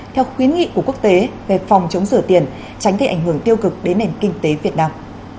theo khuyến nghị của quốc tế về phòng chống rửa tiền tránh gây ảnh hưởng tiêu cực đến nền kinh tế việt nam